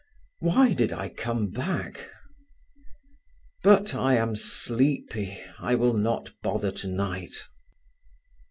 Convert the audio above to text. Why did I come back? But I am sleepy. I will not bother tonight."